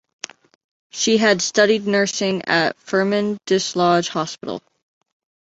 She had studied nursing at Firmin Desloge Hospital.